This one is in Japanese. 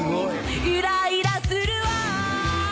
イライラするわ